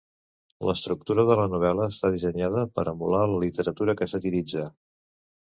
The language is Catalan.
L'estructura de la novel·la està dissenyada per emular la literatura que satiritza.